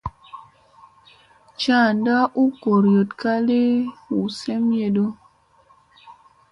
Caanda u gooryoɗu kali hu semyeɗu.